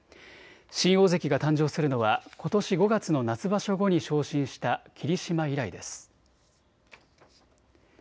新大関が誕生するのはことし５月の夏場所後に昇進した霧島以来です。